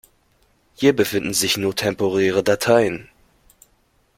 Hier befinden sich nur temporäre Dateien.